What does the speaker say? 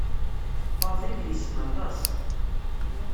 Faḍil yessen aṭas.